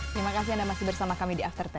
terima kasih anda masih bersama kami di after sepuluh